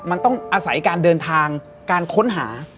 มันต้องอาศัยการเดินทางการค้นหา